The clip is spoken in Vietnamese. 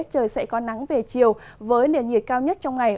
trời sẽ có nắng về chiều với nền nhiệt cao nhất trong ngày